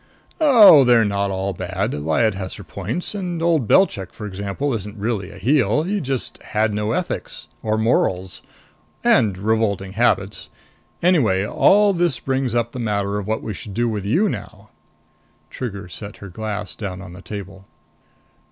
"Oh, they're not all bad. Lyad has her points. And old Belchik, for example, isn't really a heel. He just had no ethics. Or morals. And revolting habits. Anyway, all this brings up the matter of what we should do with you now." Trigger set her glass down on the table.